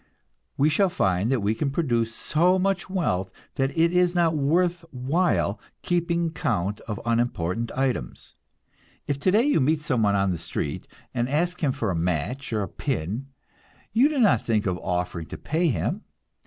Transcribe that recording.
We shall find that we can produce so much wealth that it is not worth while keeping count of unimportant items. If today you meet someone on the street and ask him for a match or a pin, you do not think of offering to pay him.